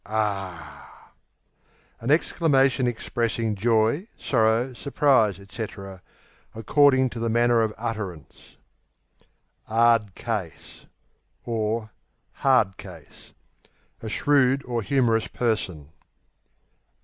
Ar An exclamation expressing joy, sorrow, surprise, etc., according to the manner of utterance. 'Ard Case (Hard Case) A shrewd or humorous person.